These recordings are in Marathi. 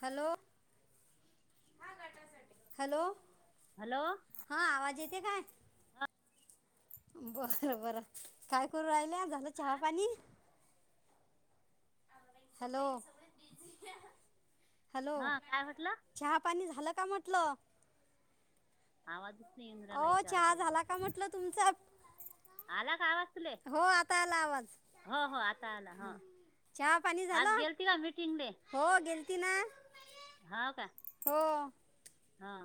हॅलो हॅलो हॅलो हा आवाज येते काय? बरं बरं काय करू राहिल्या, झालं चहा पाणी? हॅलो! हॅलो! हा काय म्हटलं चहा पाणी झालं का म्हटलं? आवाज अहो चहा झाला का म्हटलं तुमचा आला का आवाज तुले? हो आता आला आवाज हो हो आता आला हो चहा पाणी आज झालं? गेलती का मीटिंगले हो गेलती ना हो का हो. हा.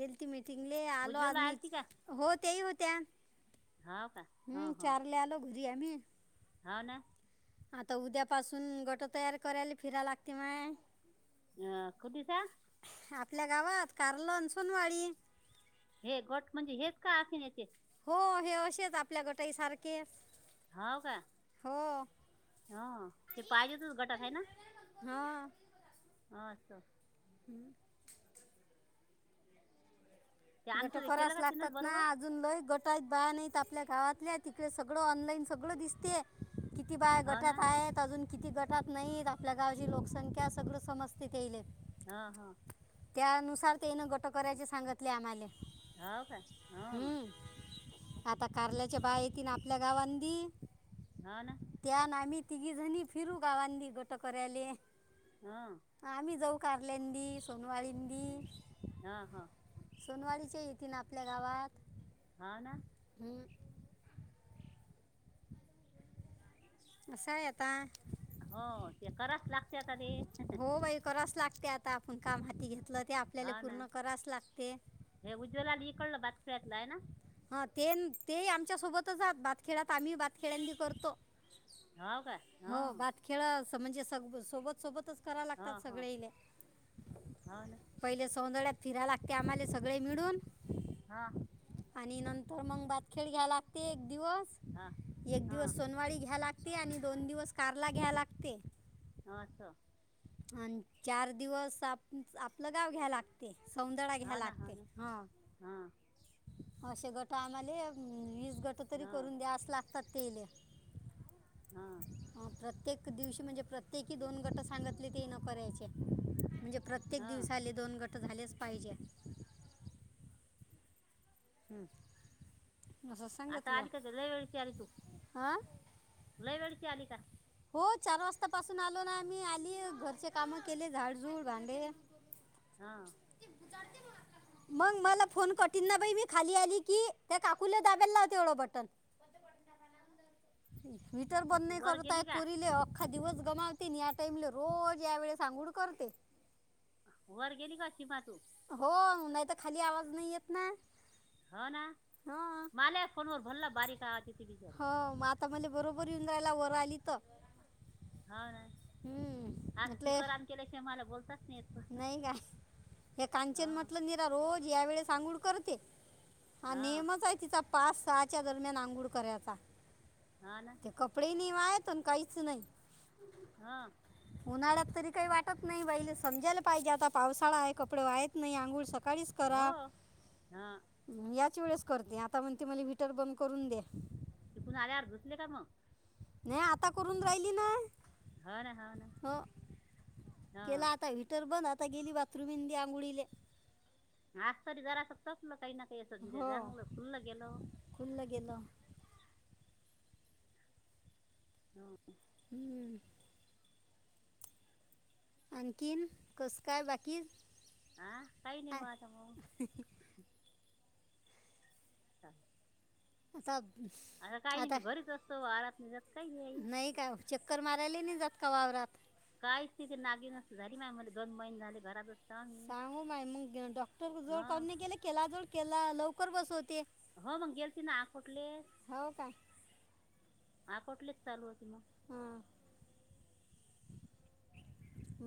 गेलती मिटिंगले आलो उज्ज्वला आलती आधीच का हो तेही होत्या हो का हो हम्म हो चारले आलो घरी आम्ही हो ना आता उद्या पासून गटं तयार करायले फिरा लागते मन्हे हा कुठीसा? आपल्या गावात कार्ला अन सूनवाळी हे गट म्हणजे हेच का आखिन्याचे हो हे अशेच आपल्या गटसारखे हाव का? ह. ते पाहिजेतच गटात हैना हा हां असं. हम्म. ते आमचं गटं हे केलं करास का तिनंच लागतात ना बरोबर अजून लय गटं आहेत बाया नाहीत आपल्या गावातल्या तिकडे सगळं ऑनलाईन सगळं दिसते किती बाया हो गटात ना आहेत अजून किती गटात नाहीत आपल्या गावची लोकसंख्या सगळं समजतं त्या हेज्यात- हा हा. त्यानुसार तेनं गटं करायचे सांगितले आम्हाले होव काय हा- आता कारल्याच्या बाया येतिन आपल्या गावांदी हो ना त्या अन् आमी तिघी जणी फिरू गावांदी गटं करायले हो आम्ही जाऊ कारल्यांदी, सुनवाळींदी हा हा. सुनवाळीच्या येतीन आपल्या गावात हा ना [unintelligible] असं आहे आता हो ते कराच लागते आता ते हो बाई करावंच लागते आता आपण काम हाती घेतलं ते आपल्याला हा ना पूर्ण करावंच लागते हे उज्ज्वला इकळलं बातक्याळ्यातलं आहे ना हा ते ते आमच्या सोबतच आात बातखेड्यात आम्ही बातखेड्यांनी करतो हो का हा हो भात खेळ म्हणजे सग सोबत सोबतच करा हा लागतात हा सगळे हो ना पहिले हिले पहीले फिरायला लागते आम्हाला सगळे मिळून हा आणि नंतर मग भातखेळ घ्या लागते एक दिवस हा एक हा दिवस सोनवाळी घ्या लागते आणि दोन दिवस कारला घ्या लागते अच्छा! आणि चार दिवस आप आपलं गाव घ्याय लागते सौंदर घ्या हा ना हा लागते ना हा हो असे गट आम्हाला वीस गट तरी हा करून द्यास लागतात तेले- हा. प्रत्येक दिवशी म्हणजे प्रत्येकी दोन गट सांगली ते न करायचे म्हणजे प्रत्येक हा दिवसाले दोन गट झालेच पाहिजे हम्म आता आली का ल वेळची आली तू हां ु लय वेळची आली का हो चार वाजता पासून आलो ना आम्ही आली घरचे कामं केले झाडझूड भांडे हा मग मला फोन कठीन ना बाई मी खाली आली की त्या काकूला दाला लावते एवढं बटन व्हटर बंद तू नाही वर करत गेली आहेतत का पुरीले हक अखा दिवस गमावते आणि या टाइमला रोज या वेळे सांगोड करते वर गेली काशी म तू हो नाही तर खाली आवाज नाही येत ना हा ना हां माल फोनवर भरला बारीक आते ती बिचारी हो मग आता म बरोबर येऊन जायला वर आली तर हा ना हम्म, हा म्हटले स्पीकरम केल्याशिवाय मला बोलतात नाही नाही का हे हा कांचेन म्हटलं निीरा रोज या वेळे सांगोळ करते हा नेहमच आहे तिचा पाच सहाच्या दरम्यान आंघोळ करायचा हा ना ते कपडे निव आहेतण काहीच नाही हा उन्हाळ्यात तरी काही वाटत नाही बाईले समजायला पाहिजे आता पावसाळा आहे कपडे वाहेत नाही अंूळ स च हो करा हा याच वेळेस करते आता म्हणते मला वटर बंद करून दे ते पुून आल्या अरधचले का मग नाही आता करून राहिली ना हो ना ना हो हा केला आता व्हटर बन आता आता गेली बाथरूमी आंघोळीले आज तरी जरा अस तपलं काही न हे संज हो चांगलं खुल्लं गेलं खुल्लं गेलं हम हम्म आणखन कस काय बाकी हा काही नाही आ- वात म हच् ता आता काय नाही मी घरीच असतो आारात निघत काही नाही का चक्कर मारायला नाही जात का वावरात काही स्थिती नाहीगी नस झाली माय म्ह दन महिन झाली घरात असतो आम्ही सांगू माय मग डॉक्टर जोड हा का के केला जोळ केला लवकर बसवते हो मग गेलती ना आकोटलेस हो काय आकोटलेच चालू होती मग. हम.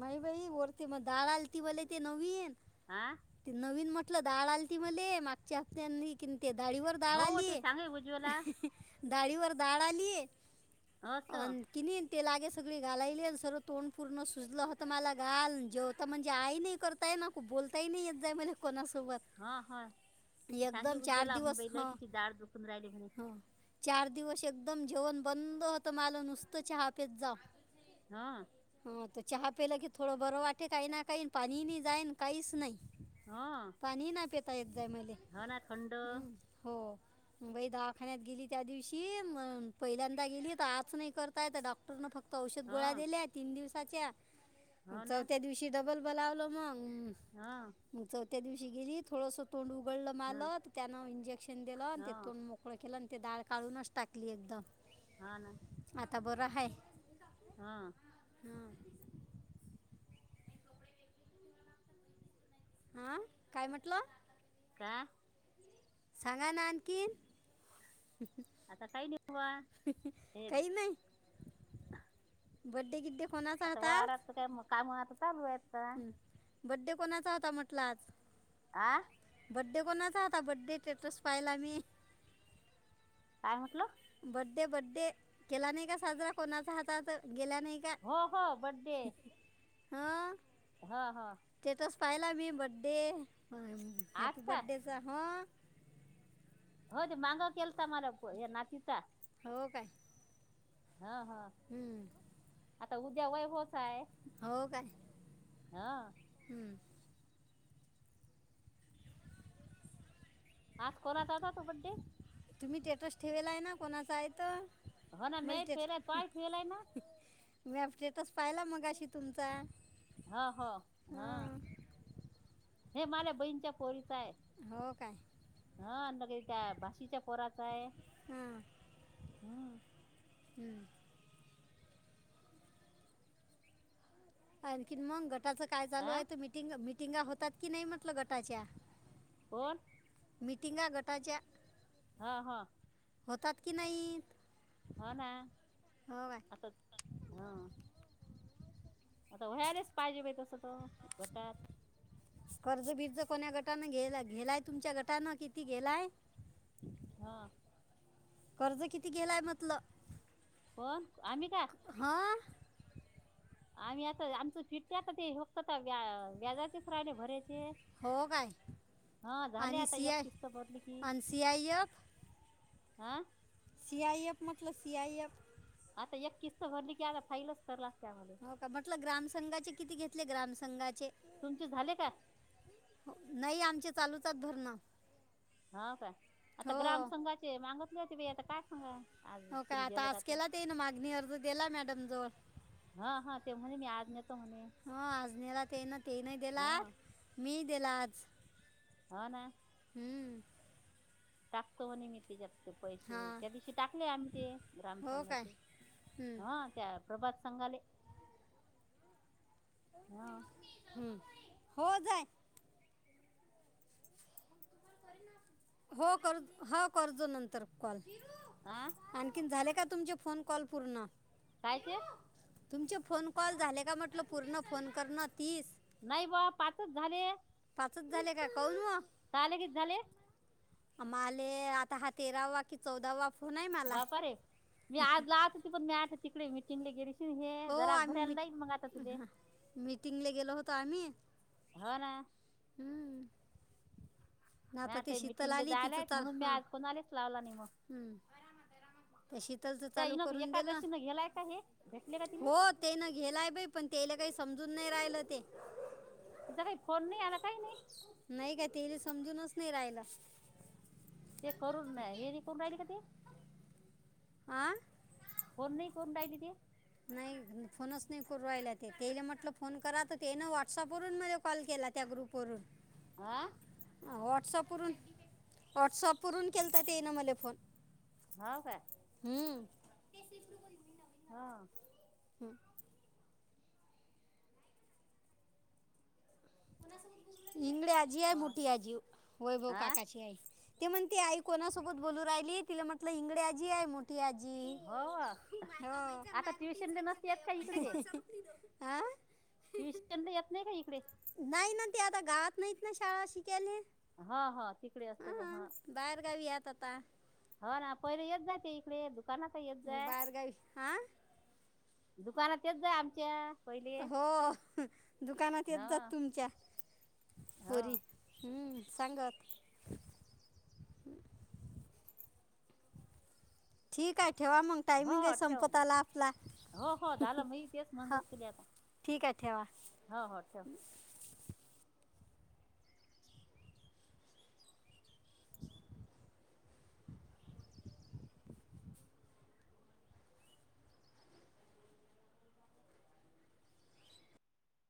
माई बाई वरती मग डाळ आल ती बले ते नवीन हा ते नवीन म तलं डाळ आल त मले मागच्या हफ्त्यांनी कि ते डाळीवर डाळ हो आली. ते सांगे उज्ज्वला डाळीवर डाळ आली आहे असं आण कीन ते लागे सगळे घालायले जर तोंड पूर्ण. सुजलं होतं मला घाल जेवत म्हणजे, आई नाही करताय ना बोलताय नाही येत, जाई म्हण कोणा हा हा. सांगे चार उजवला म्हणे दिवस बहि लय हं तिची डाळ दुखून राहिली म्हणे. हं चार दिवस एकदम जेवण बंद होतं माल नुसतं च्याहा फेत जाव. हा. ह तर चहा पिला की थोडं बरं वाटे, काही ना काही पाणी नाही, जाईन काहीच नाही. हा पाणी नाही पेता येत जाय मले हो ना थंड हम् हो. बाई दवाखान्यात गेली, त्या दिवशी म पहिल्यांदा गेली, तर आज नाही करतायेत डॉक्टरन फक्त. औषध हा गोळ्या दिल्या, तीन दिवसाच्या हो ना चौथ्या दिवशी डबल बलावल मग. हा. त्या दिवशी गेली, थोडंसं तोंड उघडलं, हा मारलं तर त्यानं इंजेक्शन दिलं, आणि ते हा तोंड मोकळं केलं. ते डाळ काढूनच टाकली एकदम. हा ना. काय. हा. हा काय म्हटलं. का. सांगना आण कन आता काय निघवा हे. काही बडडे किद्े [unintelligible] आता वाराच काय कामता चालू आहे. हम्म बड्डे कोणाचा होता म्हटल आज. आ. बडडे कोणाचा आता बर्डे स्टेटस पाहिला मी. काय म्हटलं. बड्डे बड्डे केला नाही का, साजरा कोणाचा हातच हो हो बड्डे. हा. हा हा. पाहिला मी बर्डे आज हॅपी का बर्थडेचा ह. माग केलता मला फोन हे नातीचा. हो काय. ह ह हम्म. आता उद्या वय होच आहे. हो काय ह हम्म. हा स् कोोराचाता तो बड्डे [unintelligible] तुम्ही स्टेटस ठेवेला आहे ना कोणाचां येतो हो ना मी फेलाय बलट तोय फेलाय ना मॅपट [unintelligible] तस पाहिला मग अशी तुमचा. हा हो हा हां हे माझ्या बहीणच्या पोरीत. हो काय. हा लग त्या भाशीच्या पोराच आहे हां हम्म. हम्म [inaudible] आणखीन मग गटाच काय चालू आ आहे, मीटिंग मिटिंगा होतात की नाही म्हटलं गटाच्या. कोण मिटिंगा गटाच्या हा हा होतात की नाही हा ना हो काय आता हा आता वयालेच पाहिजे बा तसं तर गटात कर्ज बिरज कोन गटानं घेला गेलाय तुमच्या गटानं किती गेलाय हा कर्ज किती गेलाय म्हटल पण आम्ही का आम्ही आता आमच चिठठ आता ते फक्त व व्याजाचेच राहिले भरायचे हो काय हा झाले आणि आता एक सिआ किस्त आणि सि आय एफ. आ सी आय एफ मतलब सी आय एफ. आता एक किस्त भरली की आता फाईलच तरला. हो का म्हटलं ग्रामसंघाचे किती घेतले ग्रामसंघाचे? तुमचे झाले का नाही आमचे चालूचत भरणं. हा का आता हो ग्राम संघाचे मागतले होते ब आता काय सांगा. आज हो का तुम्ही गेलं आतास तर केला ते ना मागणी अर्ज दिला मॅडम जवळ. हा हा ते म्हणे मी आज्ञ हा आज नेला ते ना ते नाही दिला हा मी दिला आज. हा ना हम्म टाकतो म्हणे मी तीजात. ते पैसे हां त्या दिवशी टाकले आम्ही ते ग्राम हो काय संघाचे. हम्म, हा त्या प्रभात संगाले हा. हम्म. हो जाय. हो कर हो करतो नंतर कॉल आ आणखीन झाले. का तुमचे फोन कॉल पूर्ण? कायते? तुमचे फोन कॉल झाले का म्हटलं पूर्ण फोन करण? नाही बा पाचच झाले. पाचच झाले का क [unintelligible] झाले किती झाले. आमाले आता हा तेरावा कि चौदावा फोन आहे मला बाप रे मी आज लाहत होती पण मी आठ तिकडे मिटिंगला गेली. हे हो जरा आम्ही भरायला नाहीई मग आता मिट तुले. हां मीटिंगला गेलो होतो आम्ही हो ना ना मी आता ती शीतल मिटिंगला आली जायला तिच आहेत चाल म्हणून मी हा आज कोणालाच लावला नाही मग हम्म त्या शीतलच त्या चालू हिनं करून दिला. एकादशीनं गेलाय का हे भेटले का तिले हो ते ना गेलाय बाई पण त्याला काही समजून नाही राहिलं ते. तिचा काही फोन नाही आला काही नाही नाही काय ते समजूनच नाही रायला. ते करून हे करून राहिल का ते. हां कोण नाही करून राहिली ती. नाही फोनच नाही करवायला ते ते म्हटलं फोन करा तर तेन व्हॉट्सअप वरून मध्ये कॉल केला. त्या त्या ग्रुप वरून आं व्हॉट्सअप वरून व्हॉट्सअप वरून केलतात तेन मला फोन. हा काय हम्म हा हम्म इंग अजी आय वा. मोठी आजी वैभव हा काकाची आय. ते म्हणते आई कोणासोबत बोलू राहिली तिला म्हटलं इंगडे आजी आहे. त आजी हो हो. हो आता ट्युशनला नसते येत का इकडे ते हा [unintelligible] येत नाही का इकडे? नाही ना ते आता गावात नाहीत ना शाळा शिकायला. हा हा तिकडे असते तर हा. बाहेरगावी [unintelligible] ह ना पहिले येत जाय ते इकडे दुकानात येत जाय. बाहेरगावी हा दुकानात यच जा आमच्या. पहिले हो दुकानात ह येत जात तुमच्या होरी ह हम्म. सांगत. ठीक आहे. ठेवा मग हो टायमिंग आहे ठेव मग संपताला आपला हो हो झालं मी तेच ह. म्हणत तुला आता ठीक आहेवा. हो हो ठेव